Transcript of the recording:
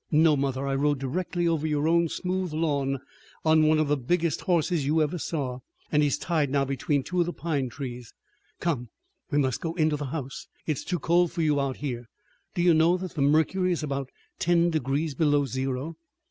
"No, mother. I rode directly over your own smooth lawn on one of the biggest horses you ever saw, and he's tied now between two of the pine trees. Come, we must go in the house. It's too cold for you out here. Do you know that the mercury is about ten degrees below zero."